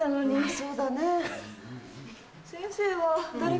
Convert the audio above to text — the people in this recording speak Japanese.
そうだね。